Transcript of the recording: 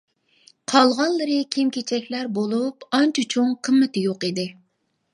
قالغانلىرى كىيىم-كېچەكلەر بولۇپ، ئانچە چوڭ قىممىتى يوق ئىدى.